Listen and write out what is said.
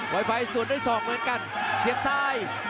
ไวไฟสวนด้วย๒เหมือนกันเสียบทราย